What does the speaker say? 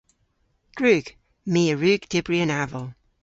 Gwrug. My a wrug dybri an aval.